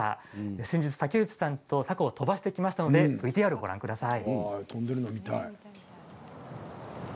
先日、竹内さんと凧を飛ばしてきましたのでＶＴＲをご覧ください。